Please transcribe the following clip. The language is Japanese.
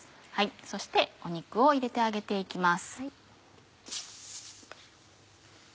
そして肉を入れて揚げて行きます。